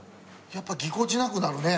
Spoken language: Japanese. やっぱぎこちなくなるね。